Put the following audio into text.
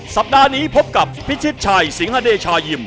สัปดาห์นี้พบกับพิชิตชัยสิงหาเดชายิม